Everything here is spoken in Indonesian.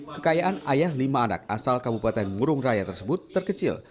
kekayaan ayah lima anak asal kabupaten murung raya tersebut terkecil